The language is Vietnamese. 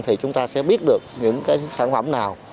thì chúng ta sẽ biết được những cái sản phẩm nào